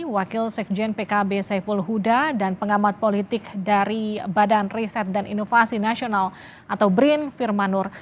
wakil sekjen pkb saiful huda dan pengamat politik dari badan riset dan inovasi nasional atau brin firmanur